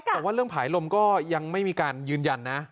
แต่ว่าเรื่องผายลมก็ยังไม่มีการยืนยันนะ